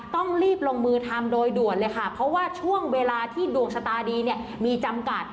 ต้องรีบลงมือทำโดยด่วนเลยค่ะเพราะว่าช่วงเวลาที่ดวงชะตาดีเนี่ยมีจำกัด